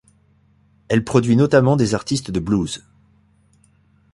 Elle produit notamment des artistes de blues.